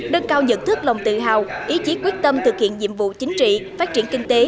đơn cao nhận thức lòng tự hào ý chí quyết tâm thực hiện nhiệm vụ chính trị phát triển kinh tế